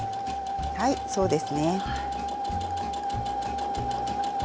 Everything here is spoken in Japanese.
はいそうですね。